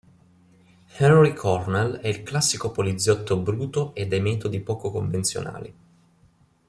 Henry Cornell è il classico poliziotto bruto e dai metodi poco convenzionali.